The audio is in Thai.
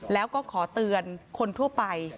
แล้วก็ขอเตือนคนทั่วไป